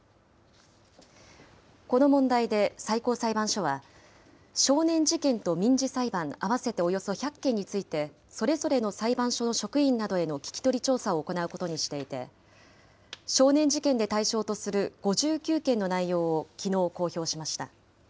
この問題で最高裁判所は、少年事件と民事裁判合わせておよそ１００件について、それぞれの裁判所の職員などへの聞き取り調査を行うことにしていて、少年事件で対象とする５９件の内容をきのう公表しました。